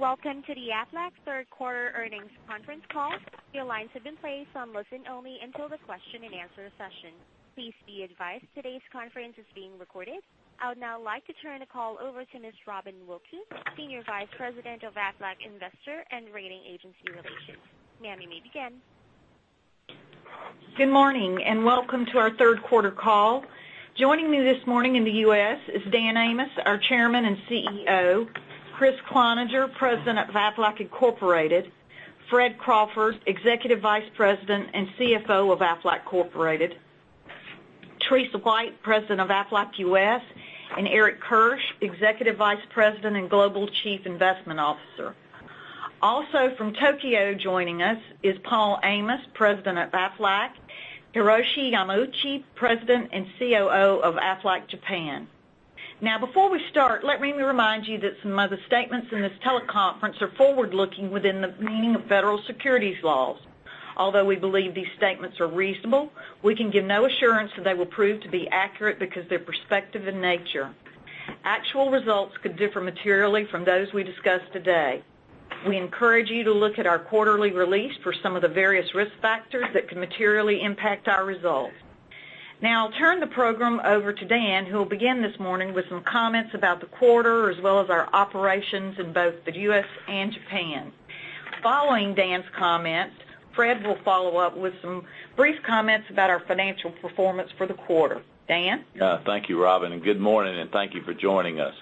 Welcome to the Aflac third quarter earnings conference call. The lines have been placed on listen only until the question and answer session. Please be advised today's conference is being recorded. I would now like to turn the call over to Ms. Robin Wilkey, Senior Vice President of Aflac Investor and Rating Agency Relations. Ma'am, you may begin. Good morning, welcome to our third quarter call. Joining me this morning in the U.S. is Dan Amos, our Chairman and CEO. Kriss Cloninger, President of Aflac Incorporated. Fred Crawford, Executive Vice President and CFO of Aflac Incorporated. Teresa White, President of Aflac U.S., and Eric Kirsch, Executive Vice President and Global Chief Investment Officer. Also from Tokyo, joining us is Paul Amos, President of Aflac, Hiroshi Yamauchi, President and COO of Aflac Japan. Before we start, let me remind you that some of the statements in this teleconference are forward-looking within the meaning of federal securities laws. Although we believe these statements are reasonable, we can give no assurance that they will prove to be accurate because they're prospective in nature. Actual results could differ materially from those we discuss today. We encourage you to look at our quarterly release for some of the various risk factors that could materially impact our results. I'll turn the program over to Dan, who will begin this morning with some comments about the quarter, as well as our operations in both the U.S. and Japan. Following Dan's comments, Fred will follow up with some brief comments about our financial performance for the quarter. Dan? Thank you, Robin, and good morning, and thank you for joining us.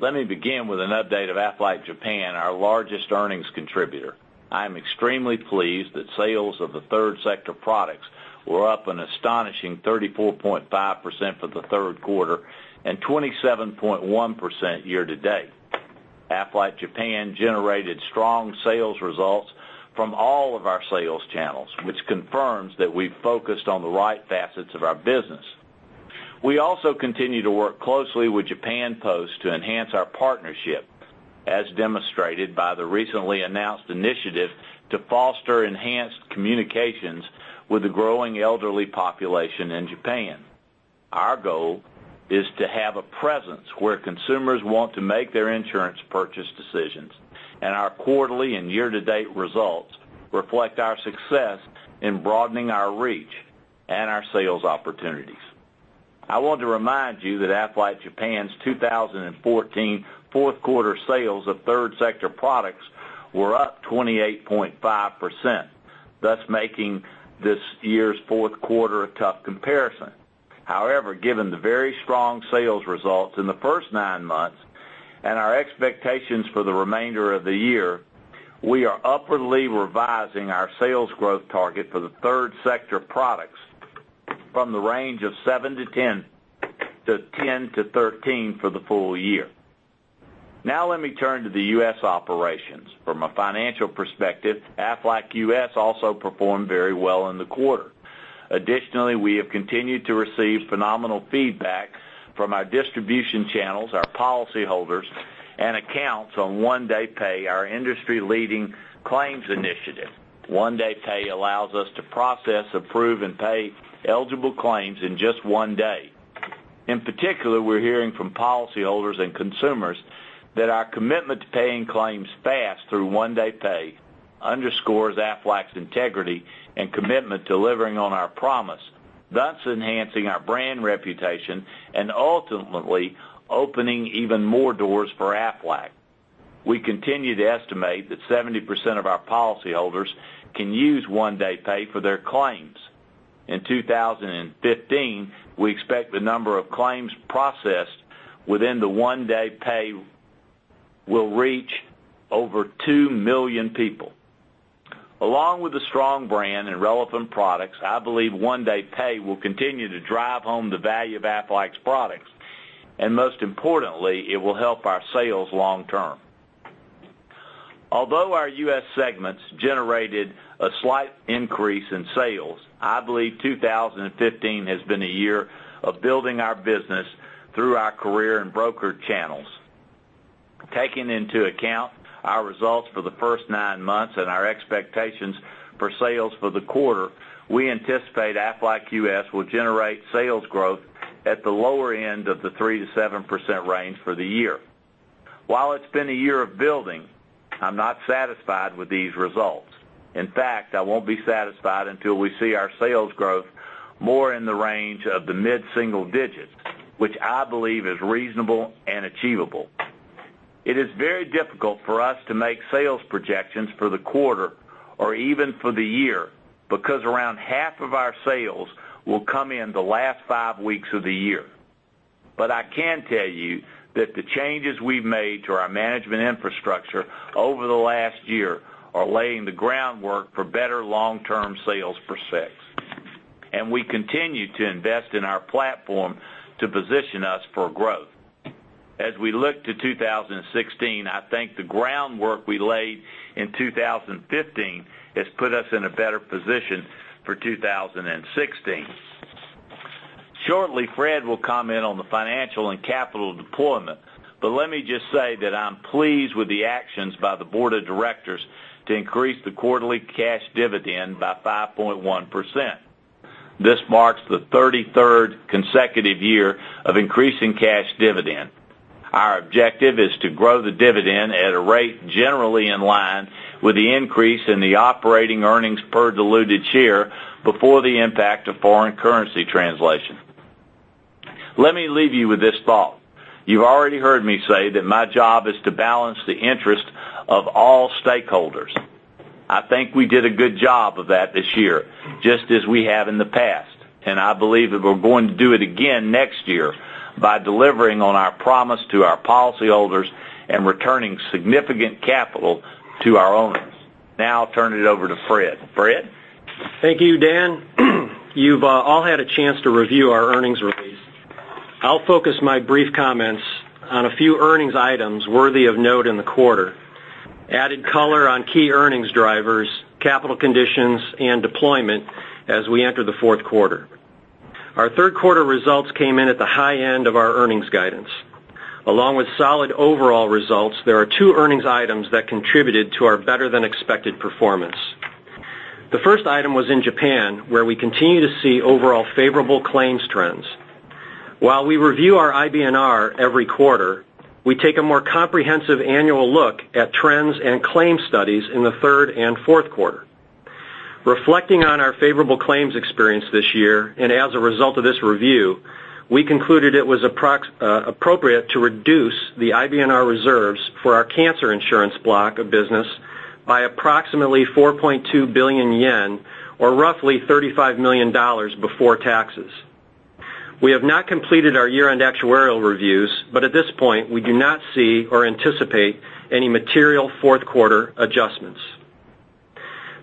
Let me begin with an update of Aflac Japan, our largest earnings contributor. I am extremely pleased that sales of the third sector products were up an astonishing 34.5% for the third quarter and 27.1% year-to-date. Aflac Japan generated strong sales results from all of our sales channels, which confirms that we've focused on the right facets of our business. We also continue to work closely with Japan Post to enhance our partnership, as demonstrated by the recently announced initiative to foster enhanced communications with the growing elderly population in Japan. Our goal is to have a presence where consumers want to make their insurance purchase decisions, and our quarterly and year-to-date results reflect our success in broadening our reach and our sales opportunities. I want to remind you that Aflac Japan's 2014 fourth quarter sales of third sector products were up 28.5%, thus making this year's fourth quarter a tough comparison. However, given the very strong sales results in the first nine months and our expectations for the remainder of the year, we are upwardly revising our sales growth target for the third sector products from the range of 7%-10% to 10%-13% for the full year. Now let me turn to the U.S. operations. From a financial perspective, Aflac U.S. also performed very well in the quarter. Additionally, we have continued to receive phenomenal feedback from our distribution channels, our policyholders, and accounts on One Day Pay, our industry-leading claims initiative. One Day Pay allows us to process, approve, and pay eligible claims in just one day. In particular, we're hearing from policyholders and consumers that our commitment to paying claims fast through One Day Pay underscores Aflac's integrity and commitment to delivering on our promise, thus enhancing our brand reputation and ultimately opening even more doors for Aflac. We continue to estimate that 70% of our policyholders can use One Day Pay for their claims. In 2015, we expect the number of claims processed within the One Day Pay will reach over two million people. Along with a strong brand and relevant products, I believe One Day Pay will continue to drive home the value of Aflac's products, and most importantly, it will help our sales long term. Although our U.S. segments generated a slight increase in sales, I believe 2015 has been a year of building our business through our career and broker channels. Taking into account our results for the first nine months and our expectations for sales for the quarter, we anticipate Aflac U.S. will generate sales growth at the lower end of the 3%-7% range for the year. While it's been a year of building, I'm not satisfied with these results. In fact, I won't be satisfied until we see our sales growth more in the range of the mid-single digits, which I believe is reasonable and achievable. It is very difficult for us to make sales projections for the quarter or even for the year because around half of our sales will come in the last five weeks of the year. I can tell you that the changes we've made to our management infrastructure over the last year are laying the groundwork for better long-term sales success. We continue to invest in our platform to position us for growth. As we look to 2016, I think the groundwork we laid in 2015 has put us in a better position for 2016. Shortly, Fred will comment on the financial and capital deployment, but let me just say that I'm pleased with the actions by the board of directors to increase the quarterly cash dividend by 5.1%. This marks the 33rd consecutive year of increasing cash dividend. Our objective is to grow the dividend at a rate generally in line with the increase in the operating earnings per diluted share before the impact of foreign currency translation. Let me leave you with this thought. You've already heard me say that my job is to balance the interest of all stakeholders. I think we did a good job of that this year, just as we have in the past. I believe that we're going to do it again next year by delivering on our promise to our policyholders and returning significant capital to our owners. Now I'll turn it over to Fred. Fred? Thank you, Dan. You've all had a chance to review our earnings release. I'll focus my brief comments on a few earnings items worthy of note in the quarter, added color on key earnings drivers, capital conditions, and deployment as we enter the fourth quarter. Our third quarter results came in at the high end of our earnings guidance. Along with solid overall results, there are two earnings items that contributed to our better-than-expected performance. The first item was in Japan, where we continue to see overall favorable claims trends. While we review our IBNR every quarter, we take a more comprehensive annual look at trends and claims studies in the third and fourth quarter. Reflecting on our favorable claims experience this year, as a result of this review, we concluded it was appropriate to reduce the IBNR reserves for our cancer insurance block of business by approximately 4.2 billion yen or roughly $35 million before taxes. We have not completed our year-end actuarial reviews, but at this point, we do not see or anticipate any material fourth quarter adjustments.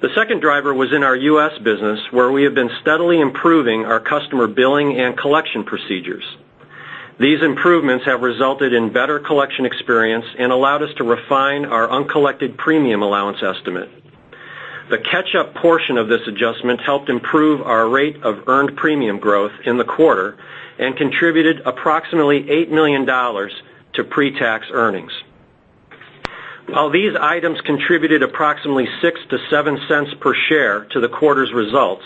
The second driver was in our U.S. business, where we have been steadily improving our customer billing and collection procedures. These improvements have resulted in better collection experience and allowed us to refine our uncollected premium allowance estimate. The catch-up portion of this adjustment helped improve our rate of earned premium growth in the quarter and contributed approximately $8 million to pre-tax earnings. While these items contributed approximately $0.06-$0.07 per share to the quarter's results,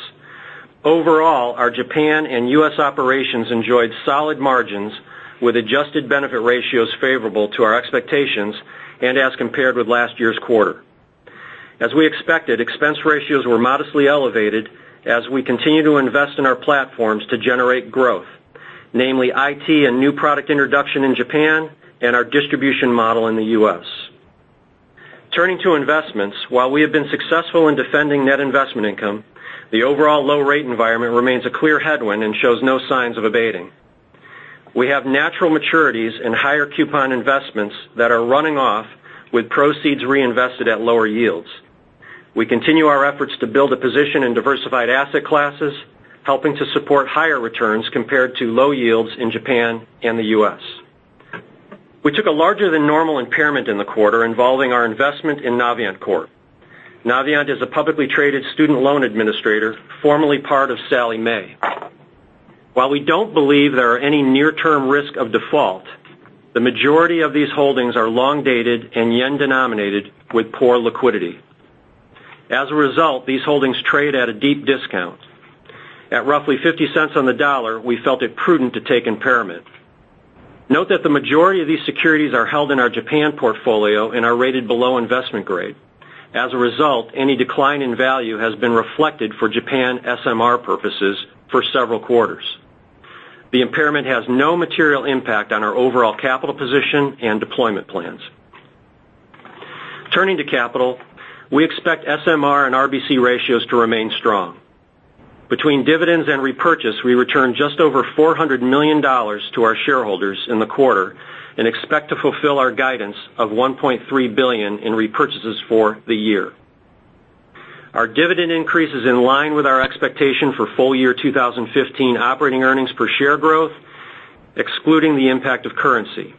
overall, our Japan and U.S. operations enjoyed solid margins with adjusted benefit ratios favorable to our expectations and as compared with last year's quarter. As we expected, expense ratios were modestly elevated as we continue to invest in our platforms to generate growth, namely IT and new product introduction in Japan and our distribution model in the U.S. Turning to investments, while we have been successful in defending net investment income, the overall low rate environment remains a clear headwind and shows no signs of abating. We have natural maturities and higher coupon investments that are running off with proceeds reinvested at lower yields. We continue our efforts to build a position in diversified asset classes, helping to support higher returns compared to low yields in Japan and the U.S. We took a larger than normal impairment in the quarter involving our investment in Navient Corporation. Navient is a publicly traded student loan administrator, formerly part of Sallie Mae. While we don't believe there are any near-term risk of default, the majority of these holdings are long-dated and yen-denominated with poor liquidity. As a result, these holdings trade at a deep discount. At roughly 50 cents on the dollar, we felt it prudent to take impairment. Note that the majority of these securities are held in our Japan portfolio and are rated below investment grade. As a result, any decline in value has been reflected for Japan SMR purposes for several quarters. The impairment has no material impact on our overall capital position and deployment plans. Turning to capital, we expect SMR and RBC ratios to remain strong. Between dividends and repurchase, we returned just over JPY 400 million to our shareholders in the quarter and expect to fulfill our guidance of 1.3 billion in repurchases for the year. Our dividend increase is in line with our expectation for full year 2015 operating earnings per share growth, excluding the impact of currency.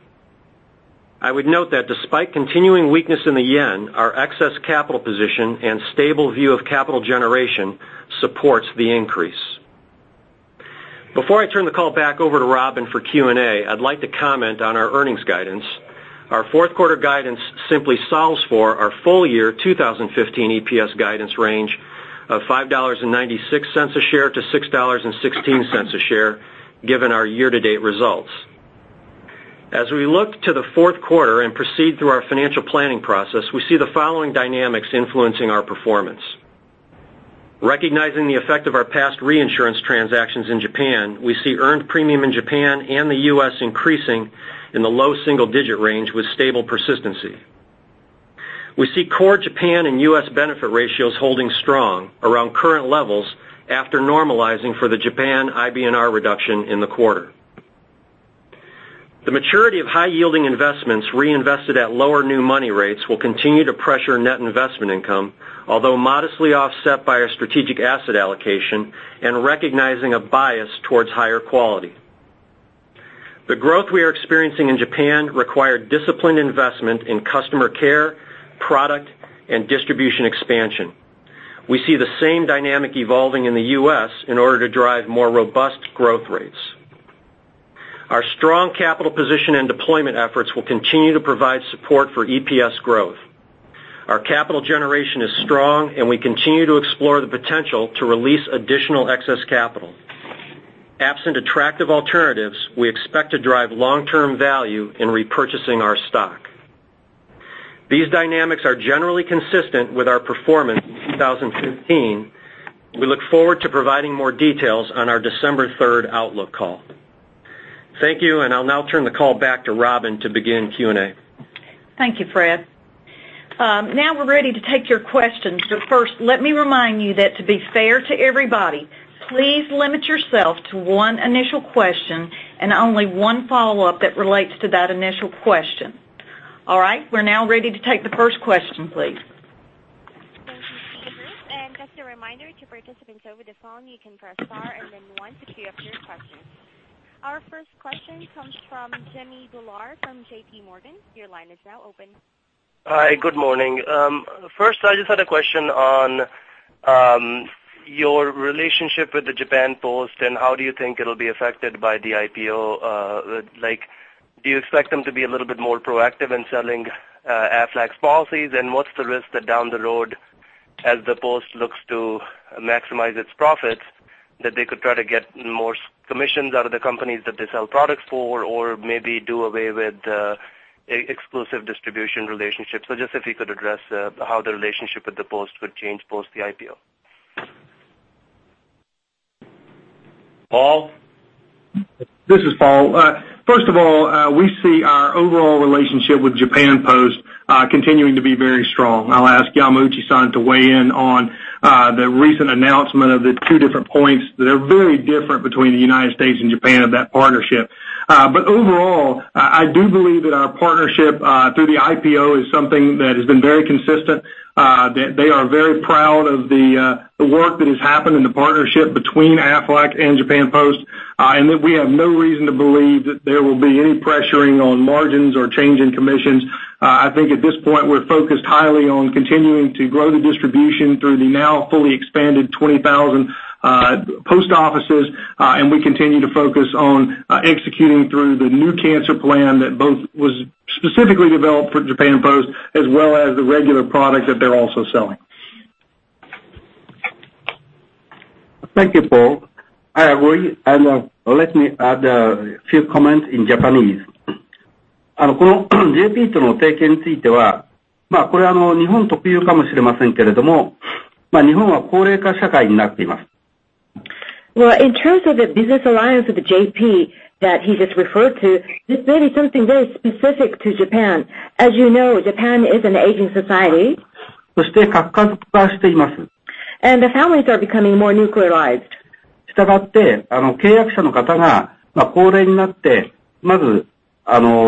I would note that despite continuing weakness in the yen, our excess capital position and stable view of capital generation supports the increase. Before I turn the call back over to Robin for Q&A, I'd like to comment on our earnings guidance. Our fourth quarter guidance simply solves for our full year 2015 EPS guidance range of JPY 5.96 a share to JPY 6.16 a share, given our year-to-date results. As we look to the fourth quarter and proceed through our financial planning process, we see the following dynamics influencing our performance. Recognizing the effect of our past reinsurance transactions in Japan, we see earned premium in Japan and the U.S. increasing in the low single-digit range with stable persistency. We see core Japan and U.S. benefit ratios holding strong around current levels after normalizing for the Japan IBNR reduction in the quarter. The maturity of high-yielding investments reinvested at lower new money rates will continue to pressure net investment income, although modestly offset by our strategic asset allocation and recognizing a bias towards higher quality. The growth we are experiencing in Japan require disciplined investment in customer care, product, and distribution expansion. We see the same dynamic evolving in the U.S. in order to drive more robust growth rates. Our strong capital position and deployment efforts will continue to provide support for EPS growth. Our capital generation is strong, and we continue to explore the potential to release additional excess capital. Absent attractive alternatives, we expect to drive long-term value in repurchasing our stock. These dynamics are generally consistent with our performance in 2015. We look forward to providing more details on our December 3rd outlook call. Thank you, and I'll now turn the call back to Robin to begin Q&A. Thank you, Fred. Now we're ready to take your questions. First, let me remind you that to be fair to everybody, please limit yourself to one initial question and only one follow-up that relates to that initial question. All right. We're now ready to take the first question, please. Thank you. Just a reminder to participants over the phone, you can press star and then one to queue up your questions. Our first question comes from Jimmy Bhullar from J.P. Morgan. Your line is now open. Hi, good morning. First, I just had a question on your relationship with the Japan Post and how do you think it'll be affected by the IPO. Do you expect them to be a little bit more proactive in selling Aflac's policies? What's the risk that down the road as the Post looks to maximize its profits, that they could try to get more commissions out of the companies that they sell products for, or maybe do away with exclusive distribution relationships? Just if you could address how the relationship with the Post would change post the IPO. Paul? This is Paul. First of all, we see our overall relationship with Japan Post continuing to be very strong. I'll ask Yamauchi-san to weigh in on the recent announcement of the two different points. They're very different between the U.S. and Japan of that partnership. Overall, I do believe that our partnership through the IPO is something that has been very consistent, that they are very proud of the work that has happened and the partnership between Aflac and Japan Post, that we have no reason to believe that there will be any pressuring on margins or change in commissions. I think at this point, we're focused highly on continuing to grow the distribution through the now fully expanded 20,000 post offices. We continue to focus on executing through the new cancer plan that both was specifically developed for Japan Post as well as the regular product that they're also selling. Thank you, Paul. I agree. Let me add a few comments in Japanese. Well, in terms of the business alliance with JP that he just referred to, this may be something very specific to Japan. As you know, Japan is an aging society. The families are becoming more nuclearized. What the FSA or the society overall is really demanding for an insurance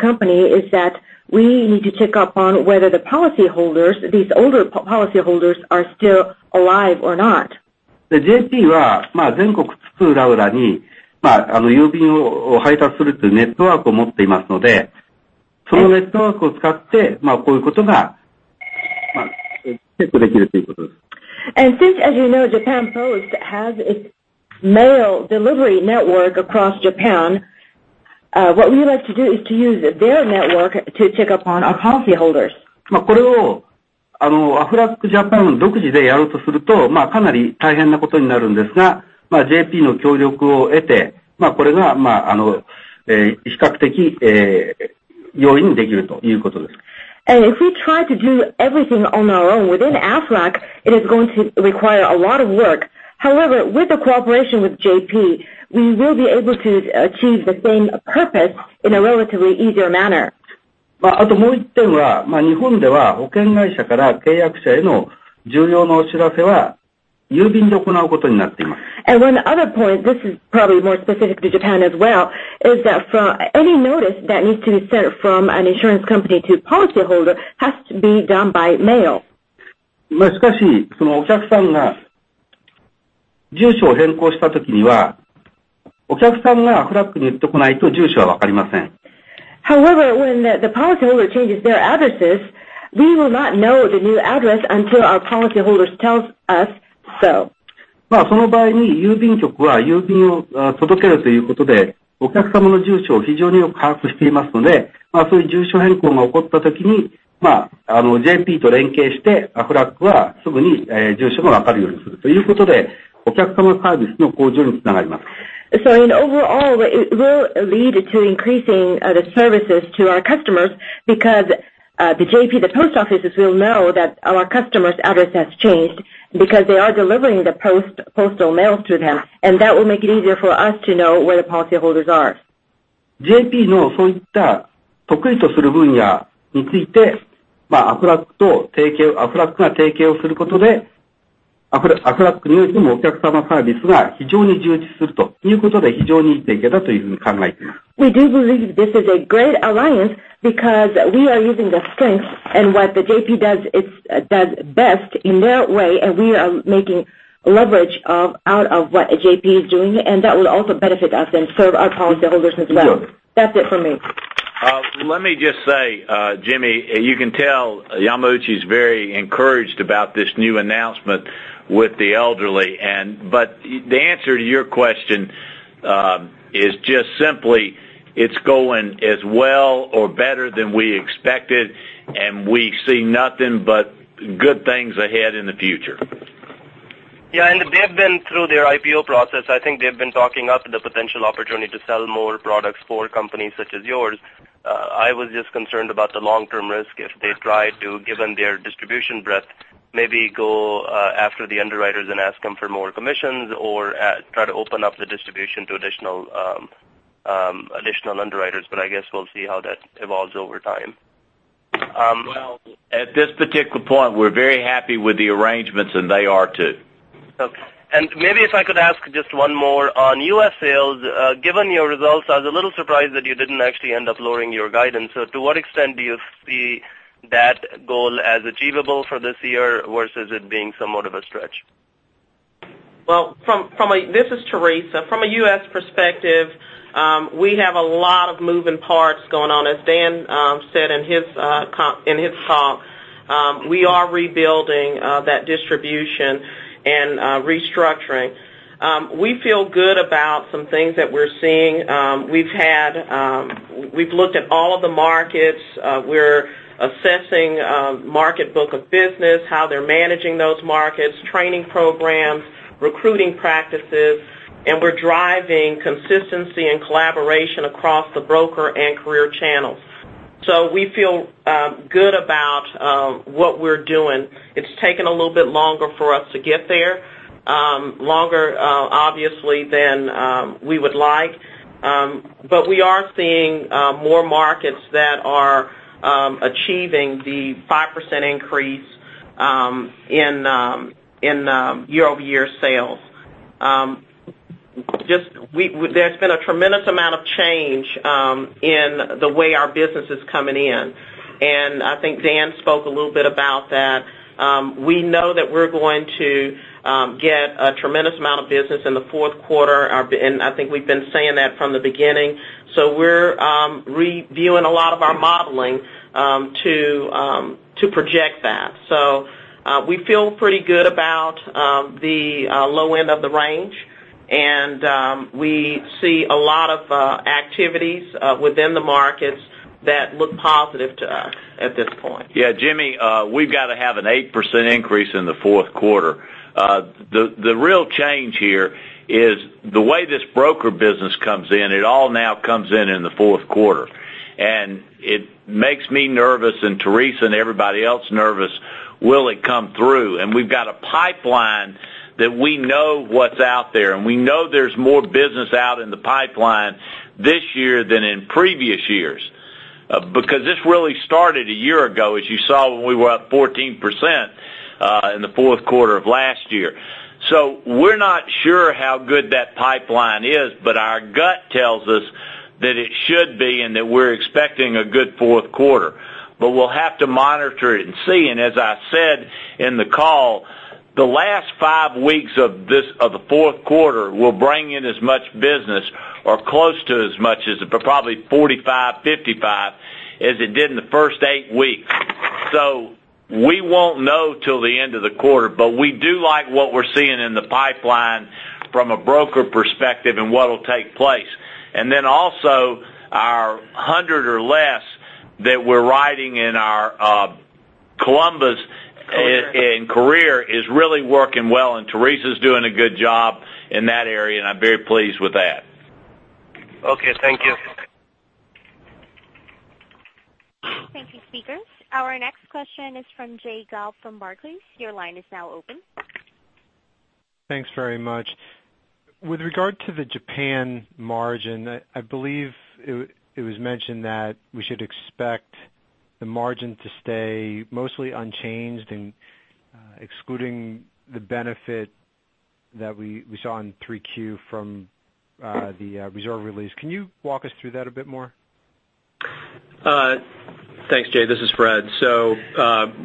company is that we need to check up on whether the policyholders, these older policyholders, are still alive or not. Since, as you know, Japan Post has its mail delivery network across Japan, what we like to do is to use their network to check up on our policyholders. If we try to do everything on our own within Aflac, it is going to require a lot of work. However, with the cooperation with JP, we will be able to achieve the same purpose in a relatively easier manner. One other point, this is probably more specific to Japan as well, is that for any notice that needs to be sent from an insurance company to policyholder has to be done by mail. When the policyholder changes their addresses, we will not know the new address until our policyholders tell us so. In overall, it will lead to increasing the services to our customers because the JP, the post offices, will know that our customer's address has changed because they are delivering the postal mails to them, and that will make it easier for us to know where the policyholders are. We do believe this is a great alliance because we are using the strength and what the JP does best in their way, and we are making leverage out of what JP is doing, and that will also benefit us and serve our policyholders as well. That's it for me. Let me just say, Jimmy, you can tell Yamauchi's very encouraged about this new announcement with the elderly. The answer to your question is just simply, it's going as well or better than we expected, and we see nothing but good things ahead in the future. Yeah, they've been through their IPO process. I think they've been talking up the potential opportunity to sell more products for companies such as yours. I was just concerned about the long-term risk if they try to, given their distribution breadth, maybe go after the underwriters and ask them for more commissions or try to open up the distribution to additional underwriters. I guess we'll see how that evolves over time. Well, at this particular point, we're very happy with the arrangements, and they are too. Okay. Maybe if I could ask just one more on U.S. sales, given your results, I was a little surprised that you didn't actually end up lowering your guidance. To what extent do you see that goal as achievable for this year versus it being somewhat of a stretch? Well, this is Teresa. From a U.S. perspective, we have a lot of moving parts going on. As Dan said in his talk, we are rebuilding that distribution and restructuring. We feel good about some things that we're seeing. We've looked at all of the markets. We're assessing market book of business, how they're managing those markets, training programs, recruiting practices, and we're driving consistency and collaboration across the broker and career channels. We feel good about what we're doing. It's taken a little bit longer for us to get there, longer, obviously, than we would like. We are seeing more markets that are achieving the 5% increase in year-over-year sales. There's been a tremendous amount of change in the way our business is coming in, I think Dan spoke a little bit about that. We know that we're going to get a tremendous amount of business in the fourth quarter, I think we've been saying that from the beginning. We're reviewing a lot of our modeling to project that. We feel pretty good about the low end of the range, and we see a lot of activities within the markets that look positive to us at this point. Yeah, Jimmy, we've got to have an 8% increase in the fourth quarter. The real change here is the way this broker business comes in, it all now comes in in the fourth quarter. It makes me nervous, and Teresa, and everybody else nervous, will it come through? We've got a pipeline that we know what's out there, and we know there's more business out in the pipeline this year than in previous years. Because this really started a year ago, as you saw when we were up 14% in the fourth quarter of last year. We're not sure how good that pipeline is, but our gut tells us that it should be and that we're expecting a good fourth quarter. We'll have to monitor it and see. As I said in the call, the last five weeks of the fourth quarter will bring in as much business or close to as much as, probably 45, 55, as it did in the first eight weeks. We won't know till the end of the quarter, but we do like what we're seeing in the pipeline from a broker perspective and what'll take place. Then also our 100 or less that we're riding in our Columbus- Career. -in Career is really working well, Teresa's doing a good job in that area, and I'm very pleased with that. Okay, thank you. Thank you, speakers. Our next question is from Jay Gelb from Barclays. Your line is now open. Thanks very much. With regard to the Japan margin, I believe it was mentioned that we should expect the margin to stay mostly unchanged and excluding the benefit that we saw in 3Q from the reserve release. Can you walk us through that a bit more? Thanks, Jay. This is Fred.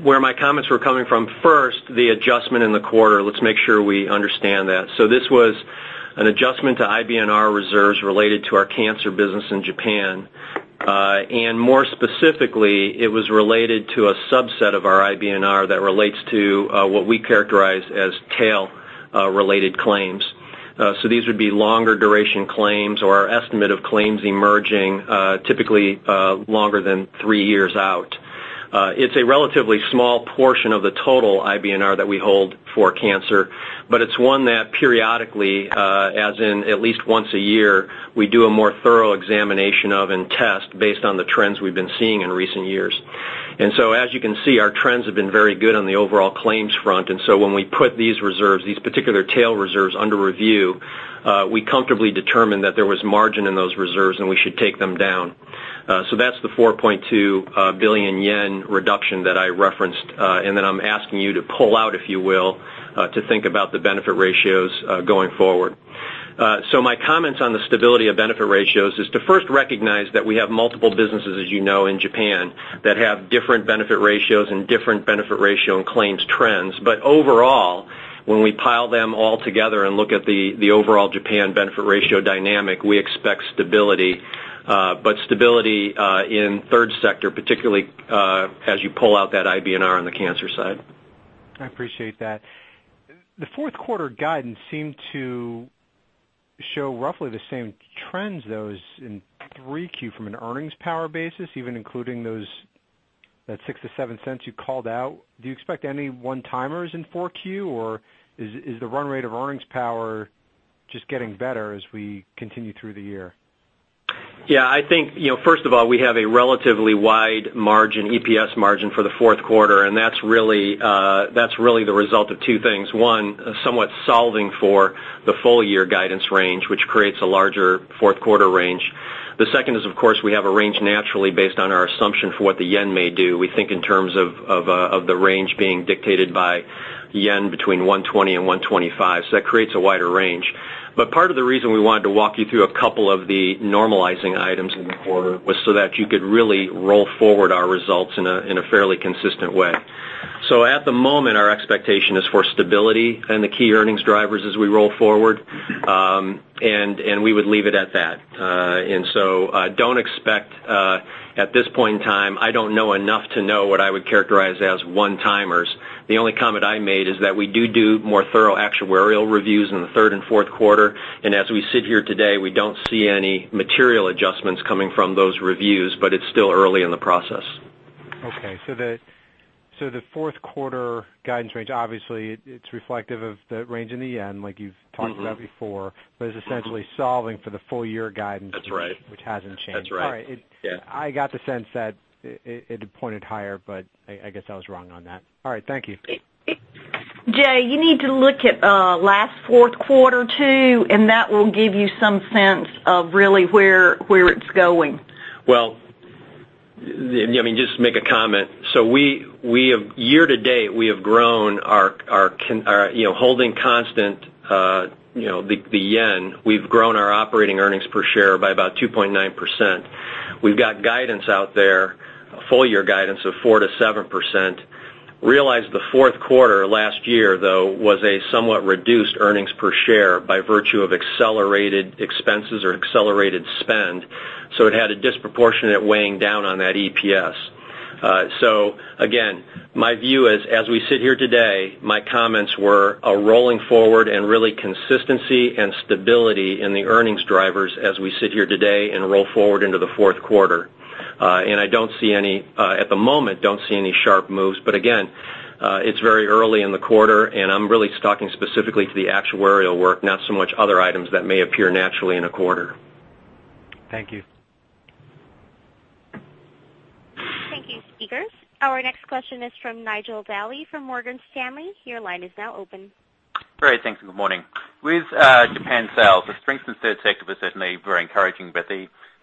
Where my comments were coming from, first, the adjustment in the quarter, let's make sure we understand that. This was an adjustment to IBNR reserves related to our cancer business in Japan. More specifically, it was related to a subset of our IBNR that relates to what we characterize as tail-related claims. These would be longer duration claims or our estimate of claims emerging typically longer than three years out. It's a relatively small portion of the total IBNR that we hold for cancer, but it's one that periodically, as in at least once a year, we do a more thorough examination of and test based on the trends we've been seeing in recent years. As you can see, our trends have been very good on the overall claims front. When we put these reserves, these particular tail reserves under review, we comfortably determined that there was margin in those reserves and we should take them down. That's the 4.2 billion yen reduction that I referenced, then I'm asking you to pull out, if you will, to think about the benefit ratios going forward. My comments on the stability of benefit ratios is to first recognize that we have multiple businesses, as you know, in Japan that have different benefit ratios and different benefit ratio and claims trends. Overall, when we pile them all together and look at the overall Japan benefit ratio dynamic, we expect stability, but stability in third sector particularly, as you pull out that IBNR on the cancer side. I appreciate that. The fourth quarter guidance seemed to show roughly the same trends, those in 3Q from an earnings power basis, even including that 0.06-0.07 you called out. Do you expect any one-timers in 4Q, or is the run rate of earnings power just getting better as we continue through the year? Yeah, I think, first of all, we have a relatively wide margin, EPS margin for the fourth quarter, and that's really the result of two things. One, somewhat solving for the full-year guidance range, which creates a larger fourth quarter range. The second is, of course, we have a range naturally based on our assumption for what the JPY may do. We think in terms of the range being dictated by JPY between 120 and 125, that creates a wider range. Part of the reason we wanted to walk you through a couple of the normalizing items in the quarter was so that you could really roll forward our results in a fairly consistent way. At the moment, our expectation is for stability in the key earnings drivers as we roll forward. We would leave it at that. Don't expect, at this point in time, I don't know enough to know what I would characterize as one-timers. The only comment I made is that we do more thorough actuarial reviews in the third and fourth quarter. As we sit here today, we don't see any material adjustments coming from those reviews, but it's still early in the process. Okay, the fourth quarter guidance range, obviously, it's reflective of the range in the JPY, like you've talked about before. It's essentially solving for the full year guidance. That's right which hasn't changed. That's right. All right. Yeah. I got the sense that it had pointed higher, I guess I was wrong on that. All right, thank you. Jay, you need to look at last fourth quarter too, that will give you some sense of really where it's going. Well, just to make a comment. Year to date, we have grown our, holding constant the yen, we've grown our operating earnings per share by about 2.9%. We've got guidance out there, full year guidance of 4%-7%. Realize the fourth quarter last year, though, was a somewhat reduced earnings per share by virtue of accelerated expenses or accelerated spend. It had a disproportionate weighing down on that EPS. Again, my view is, as we sit here today, my comments were a rolling forward and really consistency and stability in the earnings drivers as we sit here today and roll forward into the fourth quarter. I don't see any, at the moment, don't see any sharp moves. Again, it's very early in the quarter, I'm really talking specifically to the actuarial work, not so much other items that may appear naturally in a quarter. Thank you. Thank you, speakers. Our next question is from Nigel Dally from Morgan Stanley. Your line is now open. Great, thanks. Good morning. With Japan sales, the strength in third sector was certainly very encouraging, but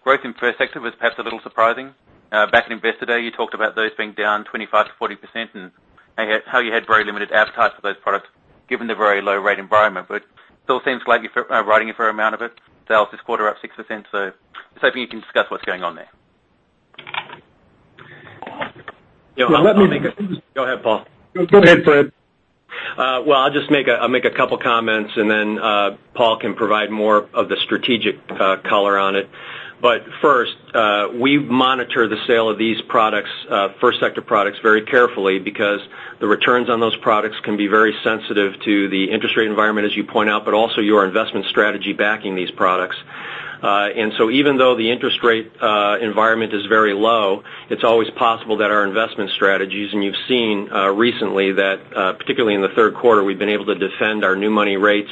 the growth in first sector was perhaps a little surprising. Back at Investor Day, you talked about those being down 25%-40% and how you had very limited appetite for those products given the very low rate environment. Still seems like you're writing a fair amount of it, sales this quarter up 6%. Just hoping you can discuss what's going on there. Yeah, let me go ahead, Paul. Go ahead, Fred. Well, I'll just make a couple of comments and then Paul can provide more of the strategic color on it. First, we monitor the sale of these products, first sector products, very carefully because the returns on those products can be very sensitive to the interest rate environment, as you point out, but also your investment strategy backing these products. Even though the interest rate environment is very low, it's always possible that our investment strategies, and you've seen recently that, particularly in the third quarter, we've been able to defend our new money rates,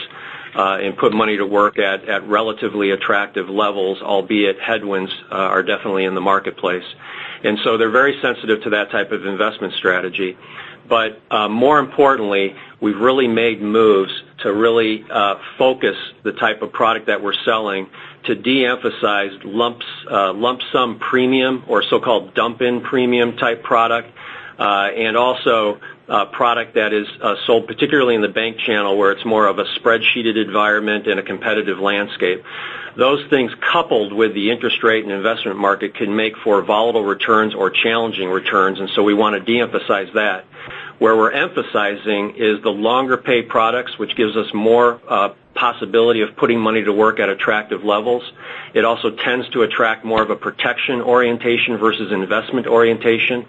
and put money to work at relatively attractive levels, albeit headwinds are definitely in the marketplace. They're very sensitive to that type of investment strategy. More importantly, we've really made moves to really focus the type of product that we're selling to de-emphasize lump sum premium or so-called dump-in premium type product, and also a product that is sold particularly in the bank channel, where it's more of a spreadsheeted environment and a competitive landscape. Those things, coupled with the interest rate and investment market, can make for volatile returns or challenging returns, and so we want to de-emphasize that. Where we're emphasizing is the longer pay products, which gives us more possibility of putting money to work at attractive levels. It also tends to attract more of a protection orientation versus investment orientation.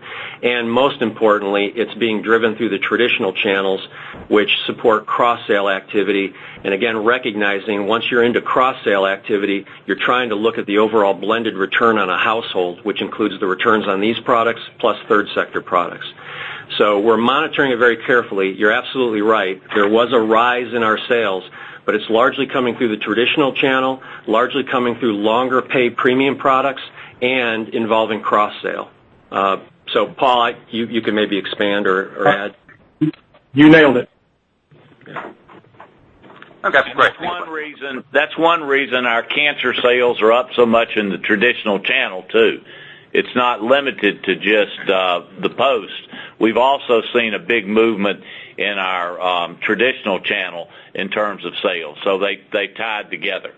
Most importantly, it's being driven through the traditional channels, which support cross-sale activity. Again, recognizing once you're into cross-sale activity, you're trying to look at the overall blended return on a household, which includes the returns on these products plus third sector products. We're monitoring it very carefully. You're absolutely right. There was a rise in our sales, but it's largely coming through the traditional channel, largely coming through longer pay premium products and involving cross-sale. Paul, you can maybe expand or add. You nailed it. Okay, great. That's one reason our cancer sales are up so much in the traditional channel, too. It's not limited to just the Post. We've also seen a big movement in our traditional channel in terms of sales. They tie together.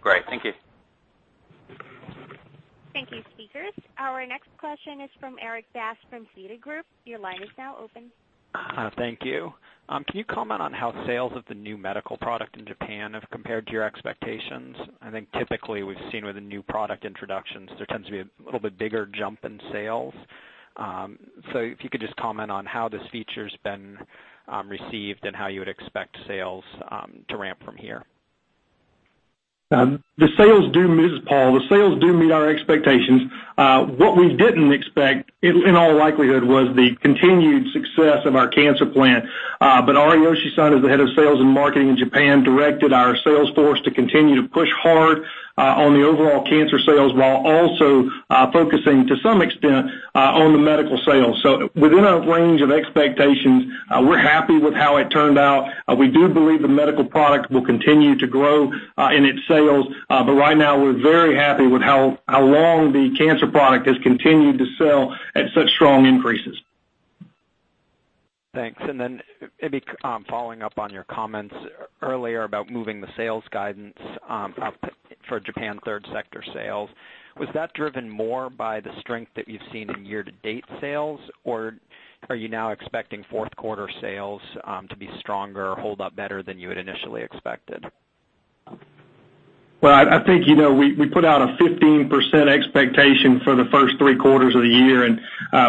Great. Thank you. Thank you, speakers. Our next question is from Eric Bass from Beda Group. Your line is now open. Thank you. Can you comment on how sales of the new medical product in Japan have compared to your expectations? I think typically we've seen with the new product introductions, there tends to be a little bit bigger jump in sales. If you could just comment on how this feature has been received and how you would expect sales to ramp from here. This is Paul. The sales do meet our expectations. What we didn't expect, in all likelihood, was the continued success of our cancer plan. Ariyoshi-san, as the head of sales and marketing in Japan, directed our sales force to continue to push hard on the overall cancer sales while also focusing to some extent on the medical sales. Within our range of expectations, we're happy with how it turned out. We do believe the medical product will continue to grow in its sales. Right now, we're very happy with how long the cancer product has continued to sell at such strong increases. Thanks. Maybe following up on your comments earlier about moving the sales guidance up for Japan third sector sales, was that driven more by the strength that you've seen in year-to-date sales, or are you now expecting fourth quarter sales to be stronger or hold up better than you had initially expected? Well, I think we put out a 15% expectation for the first three quarters of the year, and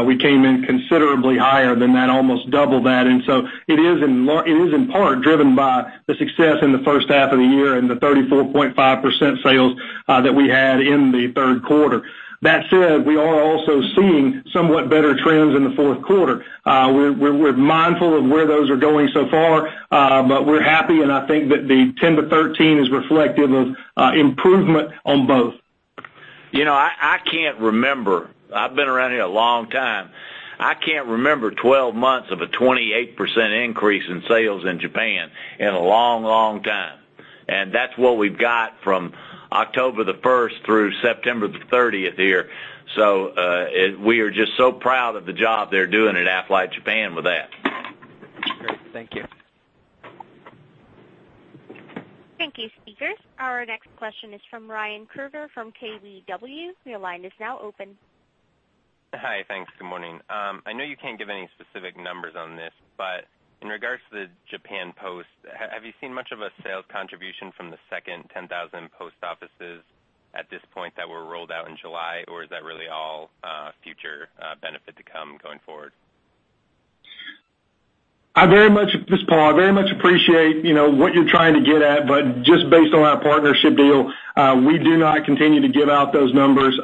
we came in considerably higher than that, almost double that. It is in part driven by the success in the first half of the year and the 34.5% sales that we had in the third quarter. That said, we are also seeing somewhat better trends in the fourth quarter. We're mindful of where those are going so far. We're happy, and I think that the 10%-13% is reflective of improvement on both. I've been around here a long time. I can't remember 12 months of a 28% increase in sales in Japan in a long time. That's what we've got from October the 1st through September the 30th here. We are just so proud of the job they're doing at Aflac Japan with that. Great. Thank you. Thank you, speakers. Our next question is from Ryan Krueger from KBW. Your line is now open. Hi. Thanks. Good morning. I know you can't give any specific numbers on this, but in regards to the Japan Post, have you seen much of a sales contribution from the second 10,000 post offices at this point that were rolled out in July, or is that really all future benefit to come going forward? This is Paul. I very much appreciate what you're trying to get at, just based on our partnership deal, we do not continue to give out those numbers.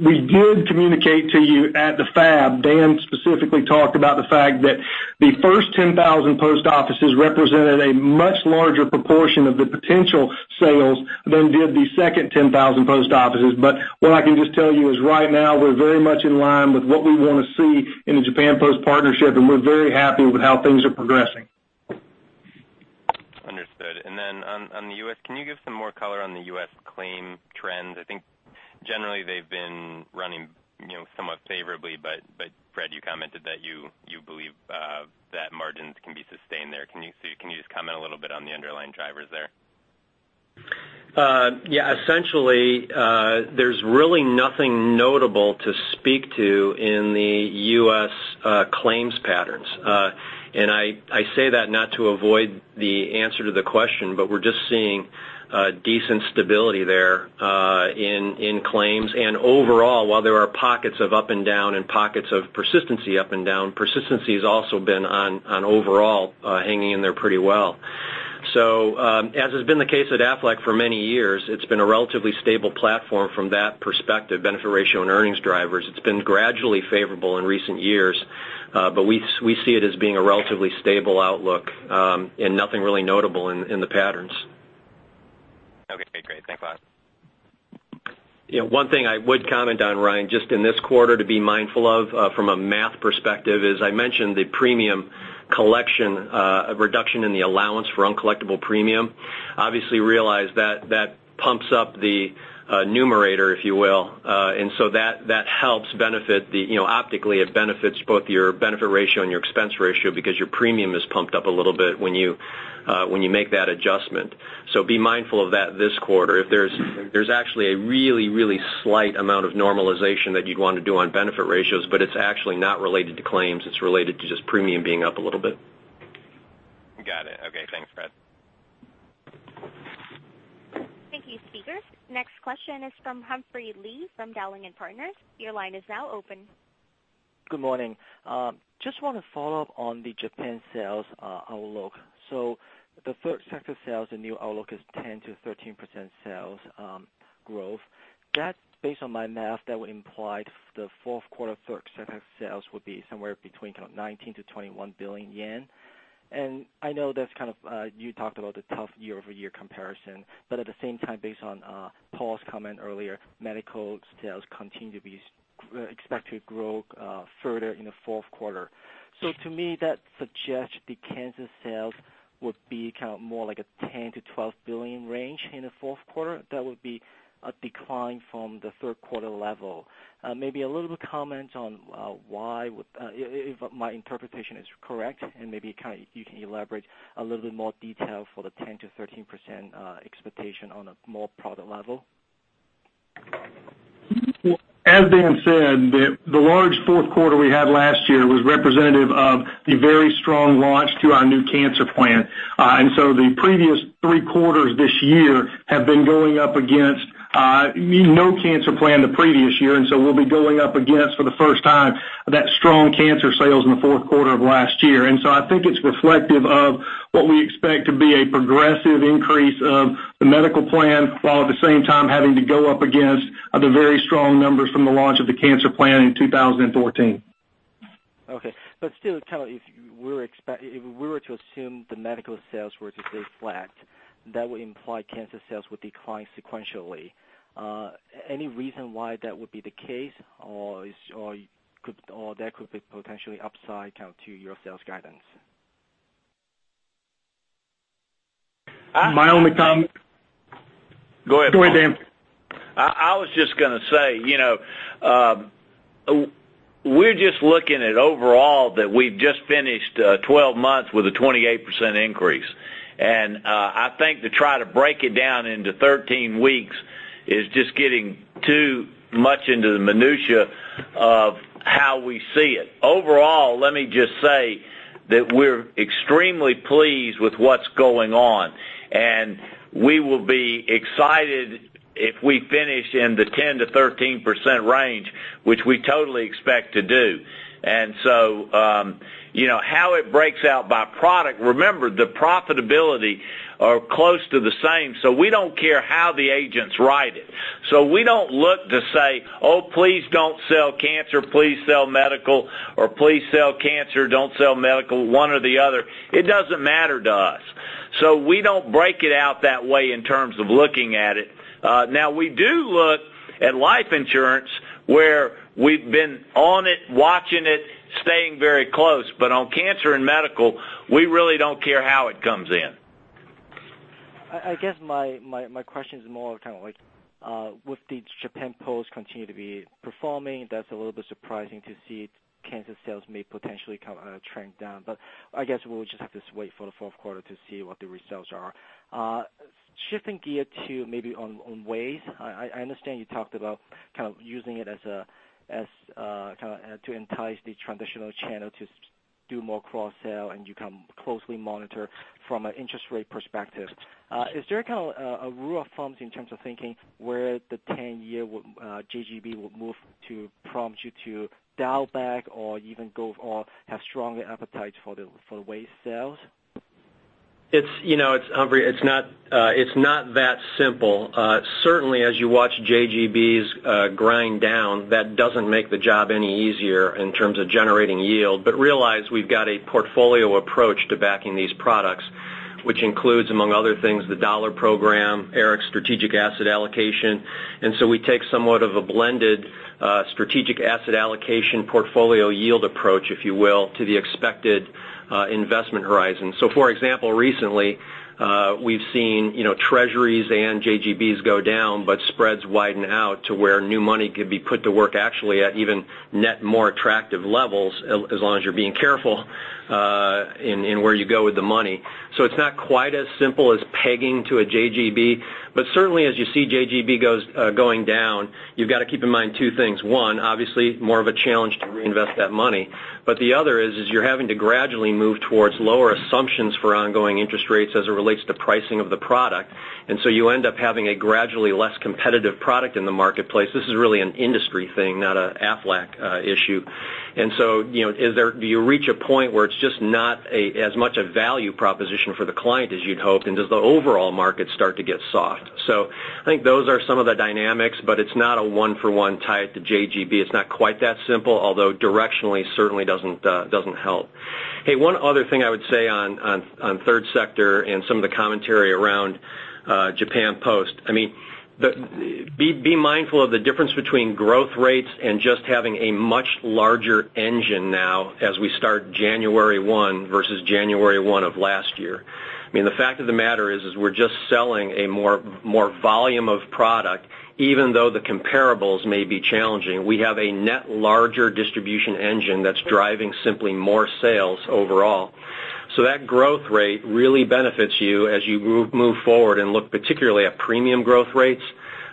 We did communicate to you at the FAB. Dan specifically talked about the fact that the first 10,000 post offices represented a much larger proportion of the potential sales than did the second 10,000 post offices. What I can just tell you is right now we're very much in line with what we want to see in the Japan Post partnership, and we're very happy with how things are progressing. Understood. On the US, can you give some more color on the US claim trends? I think generally they've been running somewhat favorably, but Fred, you commented that you believe that margins can be sustained there. Can you just comment a little bit on the underlying drivers there? Yeah. Essentially, there's really nothing notable to speak to in the U.S. claims patterns. I say that not to avoid the answer to the question, we're just seeing decent stability there in claims and overall, while there are pockets of up and down and pockets of persistency up and down, persistency has also been on overall hanging in there pretty well. As has been the case at Aflac for many years, it's been a relatively stable platform from that perspective, benefit ratio and earnings drivers. It's been gradually favorable in recent years, but we see it as being a relatively stable outlook and nothing really notable in the patterns. Okay, great. Thanks a lot. One thing I would comment on, Ryan, just in this quarter to be mindful of from a math perspective is I mentioned the premium collection reduction in the allowance for uncollectible premium. Obviously realize that pumps up the numerator, if you will. That helps benefit optically both your benefit ratio and your expense ratio because your premium is pumped up a little bit when you make that adjustment. Be mindful of that this quarter. There's actually a really slight amount of normalization that you'd want to do on benefit ratios, but it's actually not related to claims. It's related to just premium being up a little bit. Got it. Okay. Thanks, Fred. Thank you, speakers. Next question is from Humphrey Lee from Dowling & Partners. Your line is now open. Good morning. Just want to follow up on the Japan sales outlook. The third sector sales and new outlook is 10%-13% sales growth. Based on my math, that would imply the fourth quarter third sector sales would be somewhere between kind of JPY 19 billion-JPY 21 billion. I know you talked about the tough year-over-year comparison. At the same time, based on Paul's comment earlier, medical sales continue to be expected to grow further in the fourth quarter. To me, that suggests the cancer sales would be kind of more like a 10 billion-12 billion range in the fourth quarter. That would be a decline from the third quarter level. Maybe a little bit comment on if my interpretation is correct and maybe you can elaborate a little bit more detail for the 10%-13% expectation on a more product level? As Dan said, the large fourth quarter we had last year was representative of the very strong launch to our new cancer plan. The previous three quarters this year have been going up against no cancer plan the previous year, and so we'll be going up against, for the first time, that strong cancer sales in the fourth quarter of last year. I think it's reflective of what we expect to be a progressive increase of the medical plan, while at the same time having to go up against the very strong numbers from the launch of the cancer plan in 2014. Okay. Still, if we were to assume the medical sales were to stay flat, that would imply cancer sales would decline sequentially. Any reason why that would be the case, or that could be potentially upside to your sales guidance? My only comment Go ahead. Go ahead, Dan. I was just going to say, we're just looking at overall that we've just finished 12 months with a 28% increase. I think to try to break it down into 13 weeks is just getting too much into the minutia of how we see it. Overall, let me just say that we're extremely pleased with what's going on, we will be excited if we finish in the 10%-13% range, which we totally expect to do. How it breaks out by product, remember the profitability are close to the same, we don't care how the agents write it. We don't look to say, "Oh, please don't sell cancer, please sell medical," or "Please sell cancer, don't sell medical," one or the other. It doesn't matter to us. We don't break it out that way in terms of looking at it. Now, we do look at life insurance, where we've been on it, watching it, staying very close. On cancer and medical, we really don't care how it comes in. I guess my question is more kind of like, with the Japan Post continue to be performing, that's a little bit surprising to see cancer sales may potentially trend down. I guess we'll just have to wait for the fourth quarter to see what the results are. Shifting gear to maybe on WAYS, I understand you talked about kind of using it to entice the traditional channel to do more cross sell and you can closely monitor from an interest rate perspective. Is there a kind of a rule of thumbs in terms of thinking where the 10-year JGB will move to prompt you to dial back or even go or have stronger appetite for the WAYS sales? It's not that simple. Certainly, as you watch JGBs grind down, that doesn't make the job any easier in terms of generating yield. Realize we've got a portfolio approach to backing these products, which includes, among other things, the dollar program, Eric's strategic asset allocation. We take somewhat of a blended strategic asset allocation portfolio yield approach, if you will, to the expected investment horizon. For example, recently, we've seen treasuries and JGBs go down, spreads widen out to where new money could be put to work actually at even net more attractive levels, as long as you're being careful in where you go with the money. It's not quite as simple as pegging to a JGB. Certainly as you see JGB going down, you've got to keep in mind two things. One, obviously more of a challenge to reinvest that money. The other is you're having to gradually move towards lower assumptions for ongoing interest rates as it relates to pricing of the product. You end up having a gradually less competitive product in the marketplace. This is really an industry thing, not an Aflac issue. Do you reach a point where it's just not as much a value proposition for the client as you'd hoped, and does the overall market start to get soft? I think those are some of the dynamics, but it's not a one-for-one tie it to JGB. It's not quite that simple, although directionally certainly doesn't help. One other thing I would say on third sector and some of the commentary around Japan Post, be mindful of the difference between growth rates and just having a much larger engine now as we start January 1 versus January 1 of last year. The fact of the matter is we're just selling a more volume of product, even though the comparables may be challenging. We have a net larger distribution engine that's driving simply more sales overall. That growth rate really benefits you as you move forward and look particularly at premium growth rates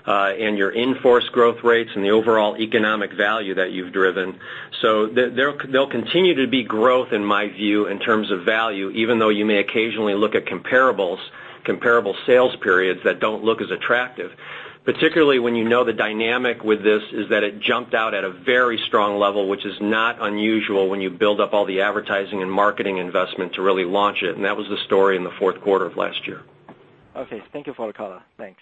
and your in-force growth rates and the overall economic value that you've driven. There'll continue to be growth in my view in terms of value, even though you may occasionally look at comparable sales periods that don't look as attractive. Particularly when you know the dynamic with this is that it jumped out at a very strong level, which is not unusual when you build up all the advertising and marketing investment to really launch it, and that was the story in the fourth quarter of last year. Thank you for the color. Thanks.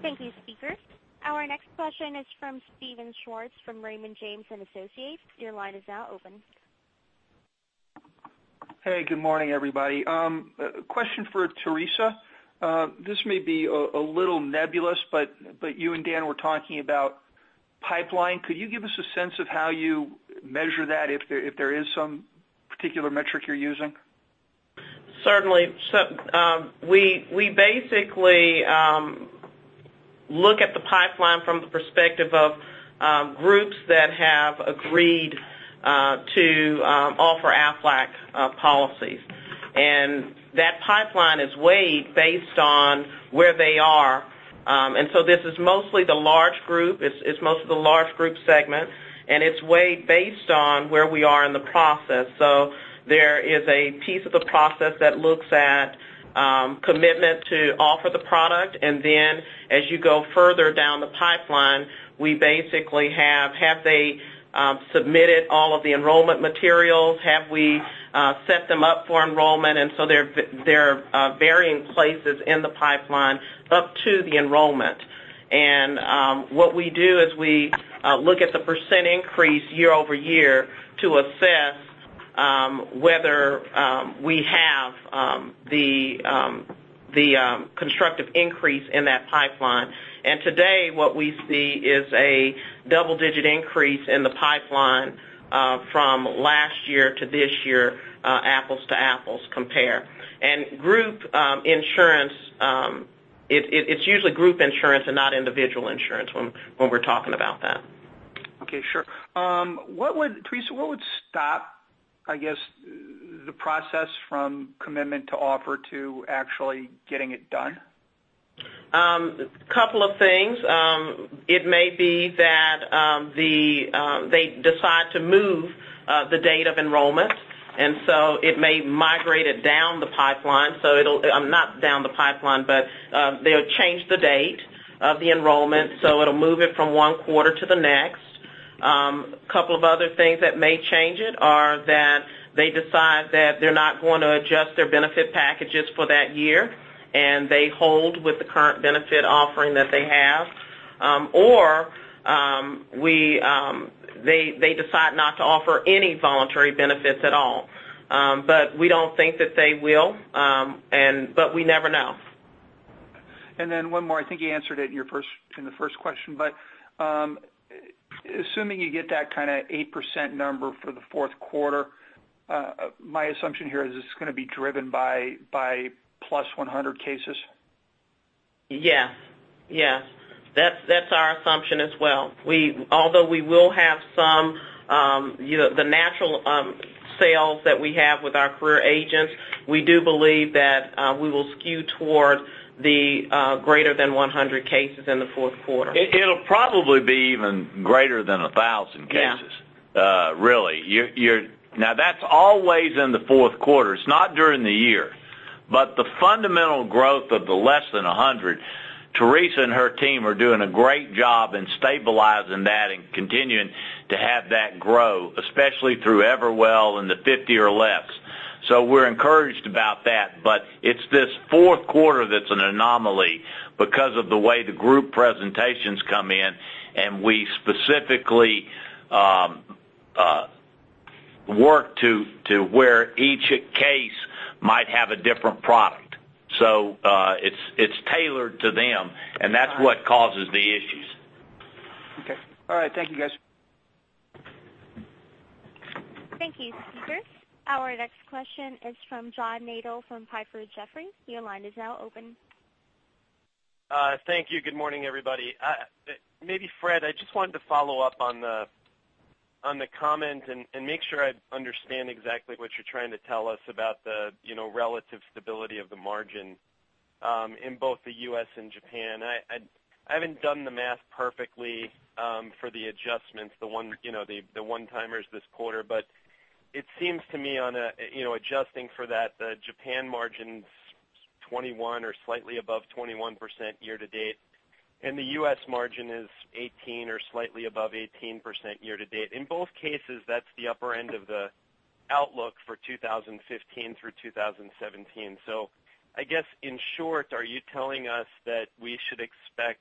Thank you, speaker. Our next question is from Steven Schwartz from Raymond James & Associates. Your line is now open. Hey, good morning, everybody. Question for Teresa. This may be a little nebulous, but you and Dan were talking about pipeline. Could you give us a sense of how you measure that, if there is some particular metric you're using? Certainly. We basically look at the pipeline from the perspective of groups that have agreed to offer. That pipeline is weighed based on where they are. This is mostly the large group, it's most of the large group segment, and it's weighed based on where we are in the process. There is a piece of the process that looks at commitment to offer the product, and then as you go further down the pipeline, we basically have they submitted all of the enrollment materials? Have we set them up for enrollment? There are varying places in the pipeline up to the enrollment. What we do is we look at the % increase year-over-year to assess whether we have the constructive increase in that pipeline. Today what we see is a double-digit increase in the pipeline from last year to this year, apples to apples compare. Group insurance, it's usually group insurance and not individual insurance when we're talking about that. Okay, sure. Teresa, what would stop, I guess, the process from commitment to offer to actually getting it done? Couple of things. It may be that they decide to move the date of enrollment, it may migrate it down the pipeline. Not down the pipeline, but they'll change the date of the enrollment, so it'll move it from one quarter to the next. Couple of other things that may change it are that they decide that they're not going to adjust their benefit packages for that year, and they hold with the current benefit offering that they have. They decide not to offer any voluntary benefits at all. We don't think that they will, but we never know. One more, I think you answered it in the first question, but, assuming you get that kind of 8% number for the fourth quarter, my assumption here is it's going to be driven by plus 100 cases. Yes. That's our assumption as well. Although we will have the natural sales that we have with our career agents, we do believe that we will skew toward the greater than 100 cases in the fourth quarter. It'll probably be even greater than 1,000 cases. Yeah. Really. Now, that's always in the fourth quarter. It's not during the year. The fundamental growth of the less than 100, Teresa and her team are doing a great job in stabilizing that and continuing to have that grow, especially through Everwell and the 50 or less. We're encouraged about that. It's this fourth quarter that's an anomaly because of the way the group presentations come in and we specifically work to where each case might have a different product. It's tailored to them. That's what causes the issues. Okay. All right. Thank you guys. Thank you, speaker. Our next question is from John Nadel from Piper Jaffray. Your line is now open. Thank you. Good morning, everybody. Maybe Fred, I just wanted to follow up on the comment and make sure I understand exactly what you're trying to tell us about the relative stability of the margin, in both the U.S. and Japan. I haven't done the math perfectly, for the adjustments, the one-timers this quarter. It seems to me on adjusting for that, the Japan margin's 21% or slightly above 21% year to date, and the U.S. margin is 18% or slightly above 18% year to date. In both cases, that's the upper end of the outlook for 2015 through 2017. I guess in short, are you telling us that we should expect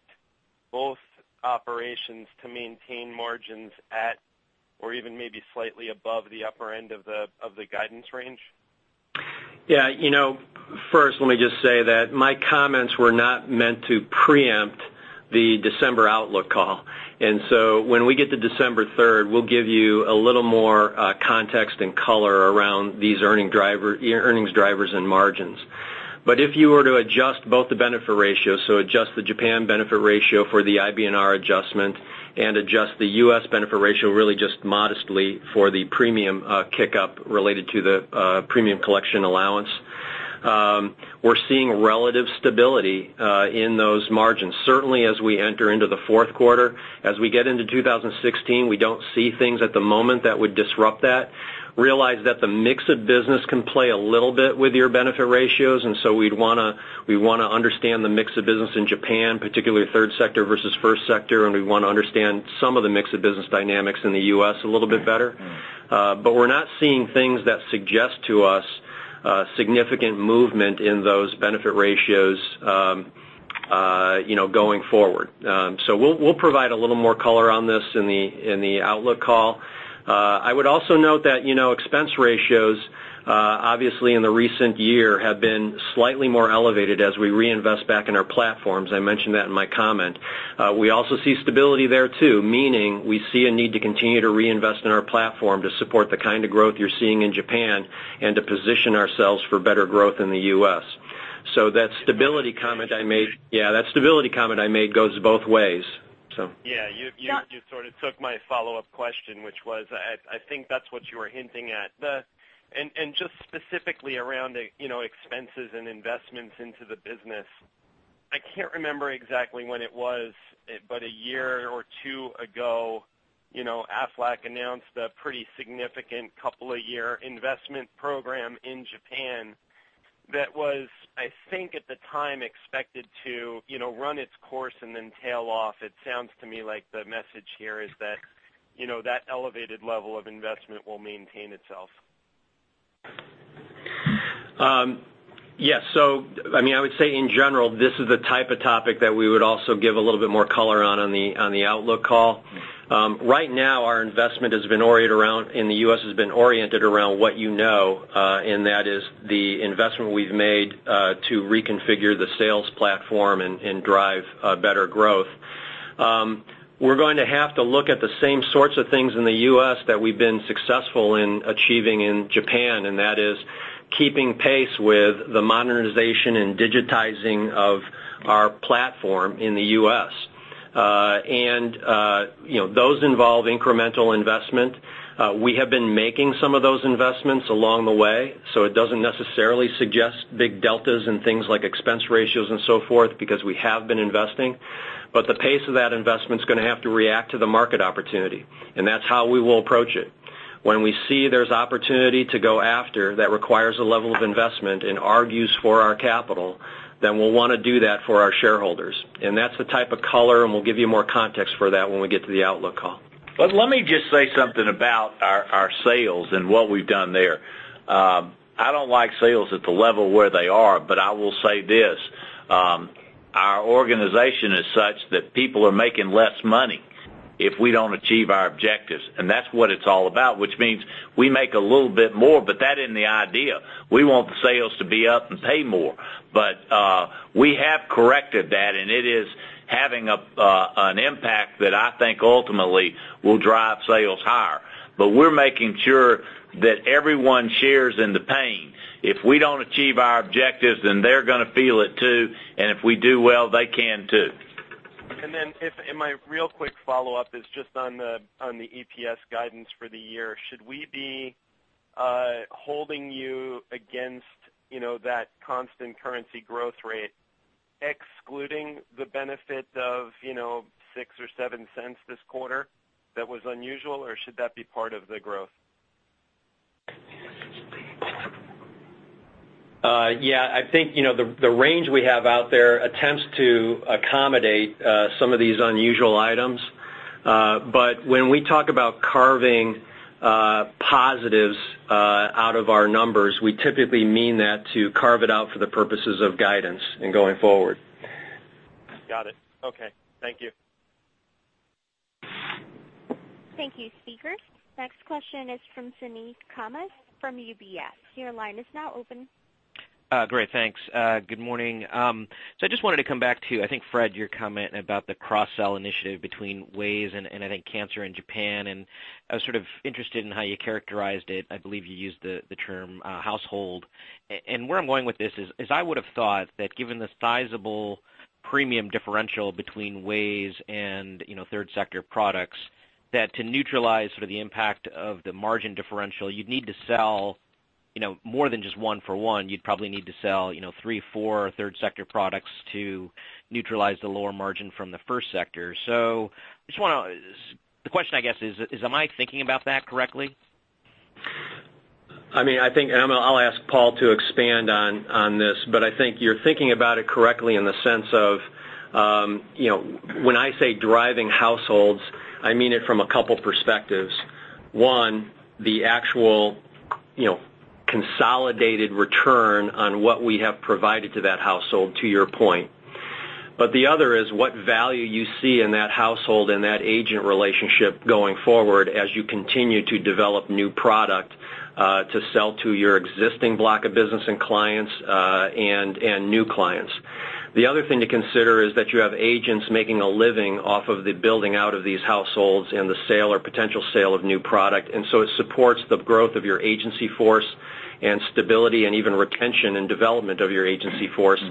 both operations to maintain margins at or even maybe slightly above the upper end of the guidance range? Yeah. First let me just say that my comments were not meant to preempt the December outlook call. When we get to December 3rd, we'll give you a little more context and color around these earnings drivers and margins. If you were to adjust both the benefit ratio, so adjust the Japan benefit ratio for the IBNR adjustment and adjust the U.S. benefit ratio really just modestly for the premium kick-up related to the premium collection allowance, we're seeing relative stability in those margins, certainly as we enter into the fourth quarter. As we get into 2016, we don't see things at the moment that would disrupt that. Realize that the mix of business can play a little bit with your benefit ratios. We want to understand the mix of business in Japan, particularly third sector versus first sector, and we want to understand some of the mix of business dynamics in the U.S. a little bit better. We're not seeing things that suggest to us significant movement in those benefit ratios going forward. We'll provide a little more color on this in the outlook call. I would also note that expense ratios, obviously in the recent year, have been slightly more elevated as we reinvest back in our platforms. I mentioned that in my comment. We also see stability there too, meaning we see a need to continue to reinvest in our platform to support the kind of growth you're seeing in Japan and to position ourselves for better growth in the U.S. That stability comment I made goes both ways. Yeah. You sort of took my follow-up question, which was, I think that's what you were hinting at. Just specifically around expenses and investments into the business, I can't remember exactly when it was, but a year or two ago, Aflac announced a pretty significant couple of year investment program in Japan that was, I think at the time, expected to run its course and then tail off. It sounds to me like the message here is that elevated level of investment will maintain itself. Yes. I would say in general, this is the type of topic that we would also give a little bit more color on the outlook call. Right now, our investment in the U.S. has been oriented around what you know, and that is the investment we've made to reconfigure the sales platform and drive better growth. We're going to have to look at the same sorts of things in the U.S. that we've been successful in achieving in Japan, and that is keeping pace with the modernization and digitizing of our platform in the U.S. Those involve incremental investment. We have been making some of those investments along the way, so it doesn't necessarily suggest big deltas in things like expense ratios and so forth because we have been investing. The pace of that investment's going to have to react to the market opportunity, and that's how we will approach it. When we see there's opportunity to go after that requires a level of investment and argues for our capital, then we'll want to do that for our shareholders. That's the type of color, and we'll give you more context for that when we get to the outlook call. Let me just say something about our sales and what we've done there. I don't like sales at the level where they are, but I will say this. Our organization is such that people are making less money if we don't achieve our objectives, and that's what it's all about, which means we make a little bit more, but that isn't the idea. We want the sales to be up and pay more. We have corrected that, and it is having an impact that I think ultimately will drive sales higher. We're making sure that everyone shares in the pain. If we don't achieve our objectives, then they're going to feel it too, and if we do well, they can too. My real quick follow-up is just on the EPS guidance for the year. Should we be holding you against that constant currency growth rate, excluding the benefit of $0.06 or $0.07 this quarter that was unusual, or should that be part of the growth? Yeah. I think the range we have out there attempts to accommodate some of these unusual items. When we talk about carving positives out of our numbers, we typically mean that to carve it out for the purposes of guidance in going forward. Got it. Okay. Thank you. Thank you, speaker. Next question is from Suneet Kamath from UBS. Your line is now open. Great. Thanks. Good morning. I just wanted to come back to, I think, Fred, your comment about the cross-sell initiative between WAYS and I think cancer in Japan, and I was sort of interested in how you characterized it. I believe you used the term household. Where I'm going with this is, as I would've thought that given the sizable premium differential between WAYS and third sector products, that to neutralize sort of the impact of the margin differential, you'd need to sell more than just one-for-one. You'd probably need to sell three, four third sector products to neutralize the lower margin from the first sector. The question, I guess, is, am I thinking about that correctly? I'll ask Paul to expand on this, but I think you're thinking about it correctly in the sense of, when I say driving households, I mean it from a couple perspectives. One, the actual consolidated return on what we have provided to that household, to your point. The other is what value you see in that household and that agent relationship going forward as you continue to develop new product, to sell to your existing block of business and clients, and new clients. The other thing to consider is that you have agents making a living off of the building out of these households and the sale or potential sale of new product. It supports the growth of your agency force and stability and even retention and development of your agency force.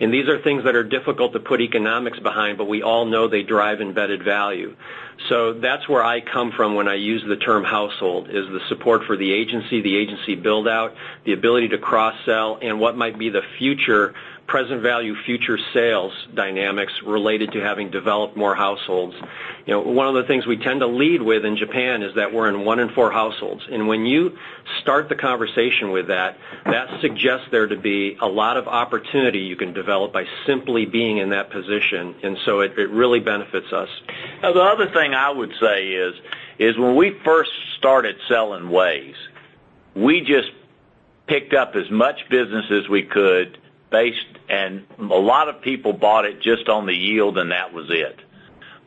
These are things that are difficult to put economics behind, but we all know they drive embedded value. That's where I come from when I use the term household, is the support for the agency, the agency build-out, the ability to cross-sell, and what might be the present value, future sales dynamics related to having developed more households. One of the things we tend to lead with in Japan is that we're in one in four households. When you start the conversation with that suggests there to be a lot of opportunity you can develop by simply being in that position. It really benefits us. The other thing I would say is when we first started selling WAYS, we just picked up as much business as we could. A lot of people bought it just on the yield, and that was it.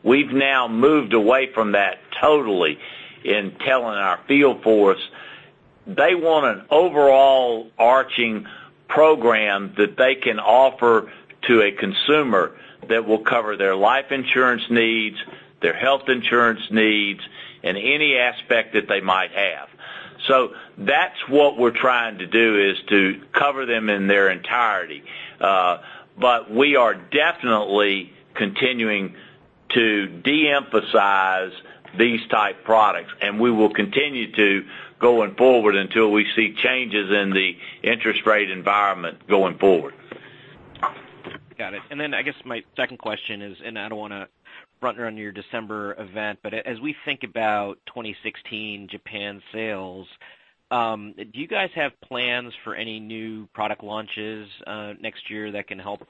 We've now moved away from that totally in telling our field force they want an overall-arching program that they can offer to a consumer that will cover their life insurance needs, their health insurance needs, and any aspect that they might have. That's what we're trying to do, is to cover them in their entirety. We are definitely continuing to de-emphasize these type products, and we will continue to going forward until we see changes in the interest rate environment going forward. Got it. I guess my second question is, and I don't want to run around your December event, but as we think about 2016 Japan sales, do you guys have plans for any new product launches next year that can help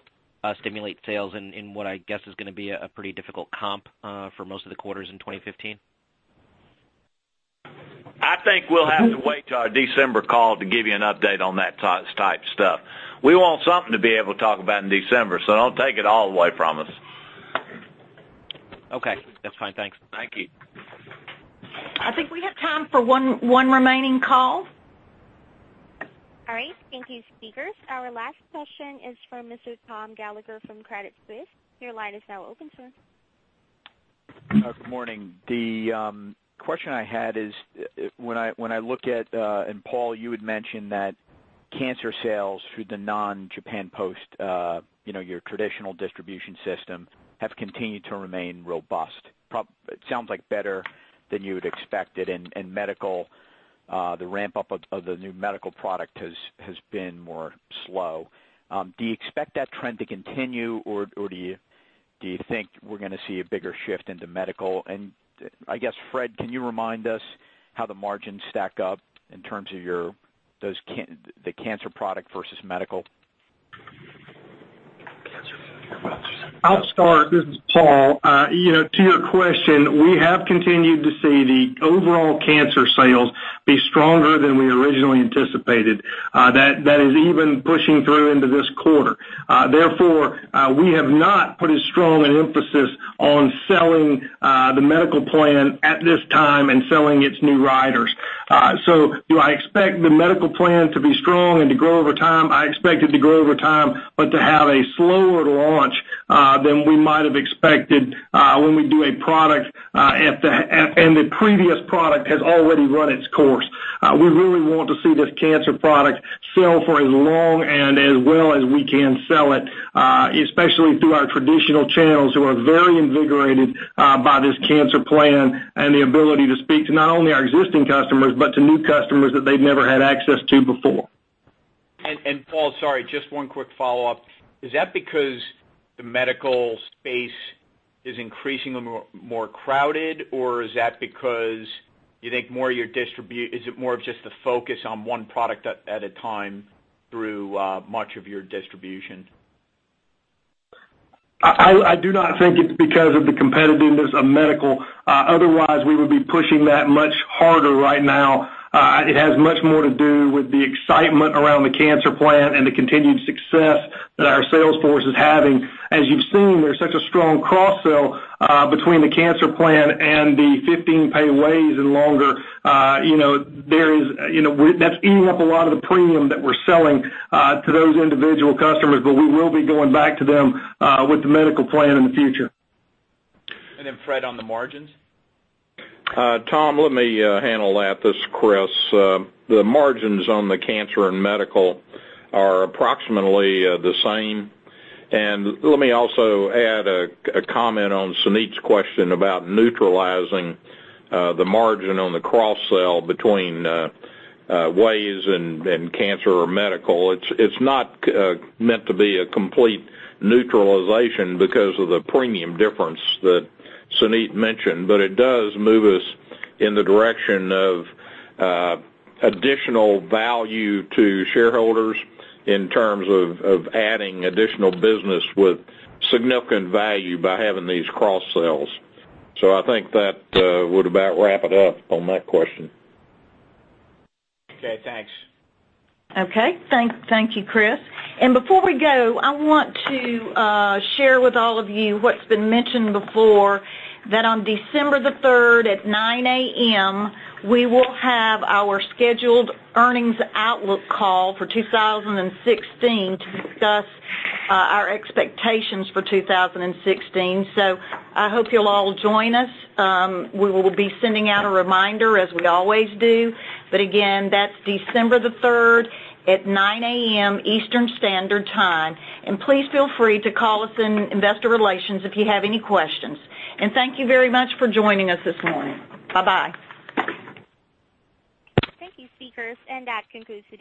stimulate sales in what I guess is going to be a pretty difficult comp for most of the quarters in 2015? I think we'll have to wait till our December call to give you an update on that type of stuff. We want something to be able to talk about in December, don't take it all away from us. Okay, that's fine. Thanks. Thank you. I think we have time for one remaining call. All right. Thank you, speakers. Our last question is from Mr. Thomas Gallagher from Credit Suisse. Your line is now open, sir. Good morning. The question I had is when I look at, Paul, you had mentioned that cancer sales through the non-Japan Post, your traditional distribution system, have continued to remain robust. It sounds like better than you would expect it in medical. The ramp-up of the new medical product has been more slow. Do you expect that trend to continue, or do you think we're going to see a bigger shift into medical? I guess, Fred, can you remind us how the margins stack up in terms of the cancer product versus medical? I'll start. This is Paul. To your question, we have continued to see the overall cancer sales be stronger than we originally anticipated. That is even pushing through into this quarter. Therefore, we have not put as strong an emphasis on selling the medical plan at this time and selling its new riders. Do I expect the medical plan to be strong and to grow over time? I expect it to grow over time, but to have a slower launch than we might have expected when we do a product and the previous product has already run its course. We really want to see this cancer product sell for as long and as well as we can sell it, especially through our traditional channels, who are very invigorated by this cancer plan and the ability to speak to not only our existing customers but to new customers that they've never had access to before. Paul, sorry, just one quick follow-up. Is that because the medical space is increasingly more crowded, or is that because you think it's more of just the focus on one product at a time through much of your distribution? I do not think it's because of the competitiveness of medical. Otherwise, we would be pushing that much harder right now. It has much more to do with the excitement around the cancer plan and the continued success that our sales force is having. As you've seen, there's such a strong cross-sell between the cancer plan and the 15-pay WAYS and longer. That's eating up a lot of the premium that we're selling to those individual customers, but we will be going back to them with the medical plan in the future. Fred, on the margins? Tom, let me handle that. This is Kriss. The margins on the cancer and medical are approximately the same. Let me also add a comment on Suneet's question about neutralizing the margin on the cross-sell between WAYS and cancer or medical. It's not meant to be a complete neutralization because of the premium difference that Suneet mentioned, but it does move us in the direction of additional value to shareholders in terms of adding additional business with significant value by having these cross-sells. I think that would about wrap it up on that question. Okay, thanks. Okay. Thank you, Kriss. Before we go, I want to share with all of you what's been mentioned before, that on December the 3rd at 9:00 AM, we will have our scheduled earnings outlook call for 2016 to discuss our expectations for 2016. I hope you'll all join us. We will be sending out a reminder as we always do. Again, that's December the 3rd at 9:00 AM Eastern Standard Time. Please feel free to call us in investor relations if you have any questions. Thank you very much for joining us this morning. Bye-bye. Thank you, speakers. That concludes today.